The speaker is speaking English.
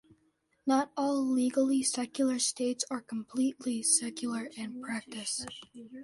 Not all legally secular states are completely secular in practice.